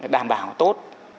đảm bảo tốt